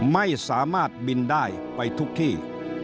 ไม่สามารถบินได้ไปทุกที่